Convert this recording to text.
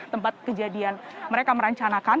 tempat kejadian mereka merancanakan